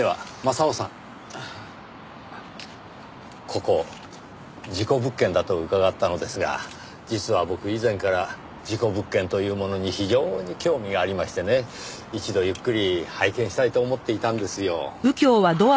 ここ事故物件だと伺ったのですが実は僕以前から事故物件というものに非常に興味がありましてね一度ゆっくり拝見したいと思っていたんですよ。